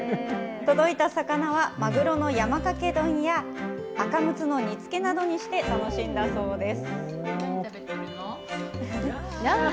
届いた魚はまぐろの山かけ丼や、アカムツの煮つけなどにして楽しんだそうです。